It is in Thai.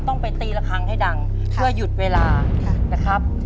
ต้องไปตีละครั้งให้ดังเพื่อหยุดเวลานะครับ